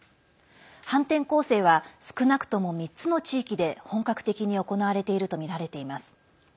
反転攻勢は少なくとも３つの地域で本格的に行われているとみられています。